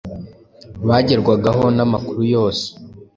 bagerwaho n’amakuru yose,